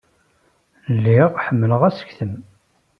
Lliɣ ḥemmleɣ asektem.